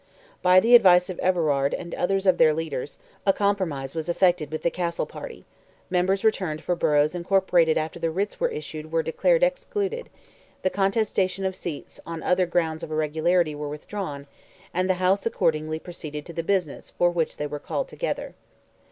By the advice of Everard and others of their leaders, a compromise was effected with the Castle party; members returned for boroughs incorporated after the writs were issued were declared excluded, the contestation of seats on other grounds of irregularity were withdrawn, and the House accordingly proceeded to the business for which they were called together.